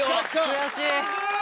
悔しい。